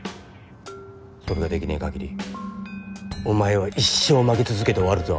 それができねぇ限りお前は一生負け続けて終わるぞ。